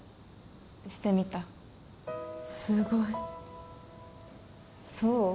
してみたすごいそう？